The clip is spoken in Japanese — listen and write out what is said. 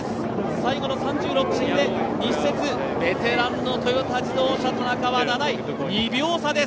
最後の３６チームでベテラントヨタ自動車、田中は２秒差です。